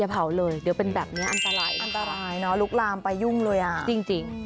เผาเลยเดี๋ยวเป็นแบบนี้อันตรายอันตรายเนอะลุกลามไปยุ่งเลยอ่ะจริง